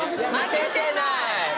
負けてない！